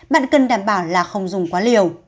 bạn cần đảm bảo là không dùng quá liều